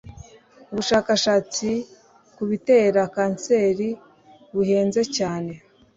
ubushakashatsi kubitera kanseri buhenze cyane